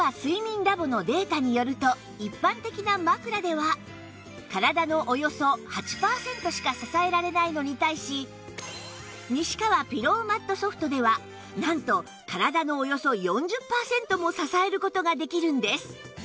一般的な枕では体のおよそ８パーセントしか支えられないのに対し西川ピローマット Ｓｏｆｔ ではなんと体のおよそ４０パーセントも支える事ができるんです